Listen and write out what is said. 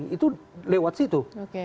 itu lewat situ